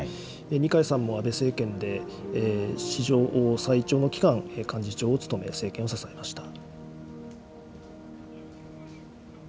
二階さんも安倍政権で史上最長の期間、幹事長を務め、政権を支えました。